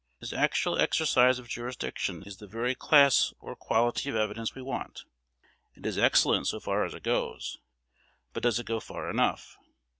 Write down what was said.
This actual exercise of jurisdiction is the very class or quality of evidence we want. It is excellent so far as it goes; but does it go far enough?